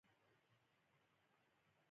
لادخپلی خاوری مینه، موږ ته وایی چه راپاڅئ